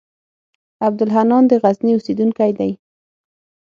عبدالحنان د غزني اوسېدونکی دی.